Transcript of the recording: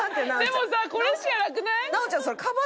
でもさこれしかなくない？